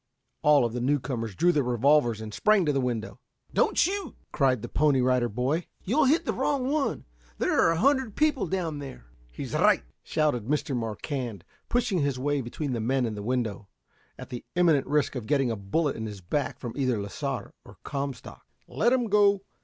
All of the newcomers drew their revolvers and sprang to the window. "Don't shoot!" cried the Pony Rider Boy; "You'll hit the wrong one. There are a hundred people down there." "He's right!" shouted Mr. Marquand, pushing his way between the men and the window, at the imminent risk of getting a bullet in his back from either Lasar or Comstock. "Let 'em go.